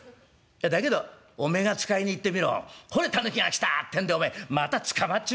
だけどおめえが使いに行ってみろほれ狸が来たってんでおめえまた捕まっちまうぜ」。